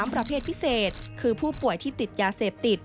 ประเภทพิเศษคือผู้ป่วยที่ติดยาเสพติด